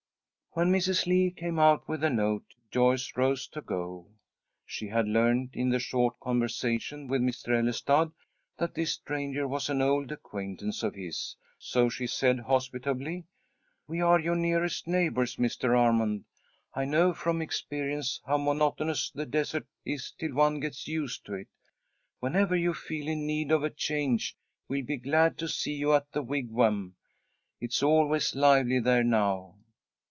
When Mrs. Lee came out with the note, Joyce rose to go. She had learned in the short conversation with Mr. Ellestad that this stranger was an old acquaintance of his, so she said, hospitably, "We are your nearest neighbours, Mr. Armond. I know from experience how monotonous the desert is till one gets used to it. Whenever you feel in need of a change we'll be glad to see you at the Wigwam. It's always lively there, now."